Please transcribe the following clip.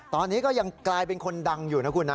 ตอนนี้ก็ยังกลายเป็นคนดังอยู่นะคุณนะ